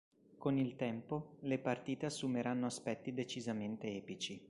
Con il tempo, le partite assumeranno aspetti decisamente epici.